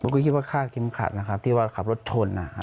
ก็คิดว่าคาดเข็มขัดนะครับที่ว่าขับรถชน